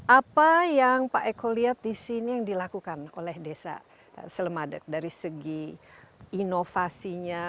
apa yang pak eko lihat di sini yang dilakukan oleh desa selemadeg dari segi inovasinya